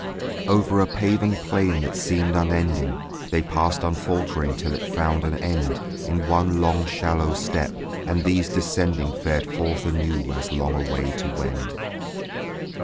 Over a paven plain that seemed unending They passed unfaltering till it found an end In one long shallow step; and these descending Fared forth anew as long away to wend.